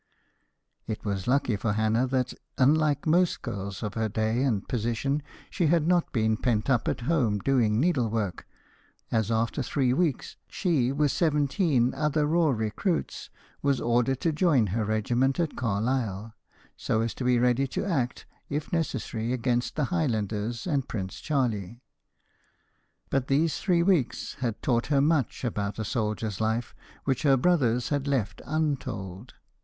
It was lucky for Hannah that, unlike most girls of her day and position, she had not been pent up at home doing needlework, as after three weeks, she with seventeen other raw recruits was ordered to join her regiment at Carlisle, so as to be ready to act, if necessary, against the Highlanders and Prince Charlie. But these three weeks had taught her much about a soldier's life which her brothers had left untold.